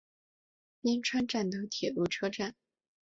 边川站的铁路车站。